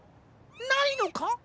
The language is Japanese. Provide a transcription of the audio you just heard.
ないのか？